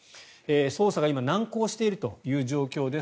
捜査が今、難航しているという状況です。